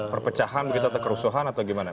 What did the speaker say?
perpecahan begitu atau kerusuhan atau gimana